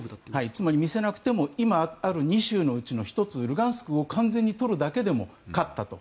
つまり見せなくても今ある２州のうちの１つルハンシクを完全に取っただけでも勝ったと。